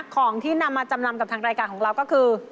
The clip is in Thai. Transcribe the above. ของที่นำมาจำนำกับทางรายการของเราก็คือ